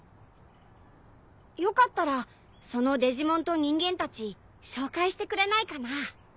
よかったらそのデジモンと人間たち紹介してくれないかな？